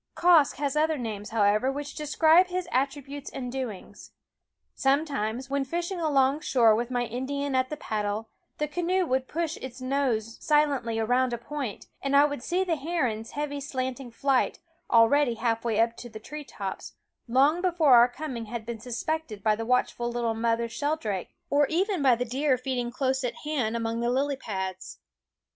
Quoskh has other names, however, which describe his attributes and doings. Some times, when fishing alongshore with my Indian at the paddle, the canoe would push its nose silently around a point, and I would see the heron's heavy slanting flight, already halfway up to the tree tops, long before our coming had been suspected by the watchful little mother sheldrake, or even by the deer feeding close at hand among the lily pads.